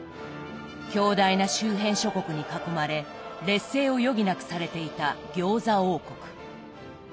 強大な周辺諸国に囲まれ劣勢を余儀なくされていた餃子王国。